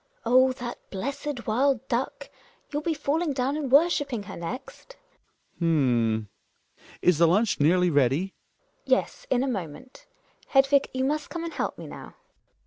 Oh ! that blessed wild duck I Youll be fa lling down and worshipping he r next. Hjalmar. H'm — is the lunch nearly ready ? GiNA. Yes, in a moment. Hedvig, you must come and help me now.